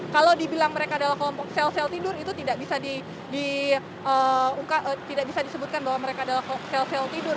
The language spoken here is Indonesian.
kalau dibilang mereka adalah kelompok sel sel tidur itu tidak bisa disebutkan bahwa mereka adalah sel sel tidur